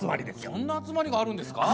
そんな集まりがあるんですか？